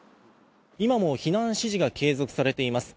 今も避難指示が継続されています。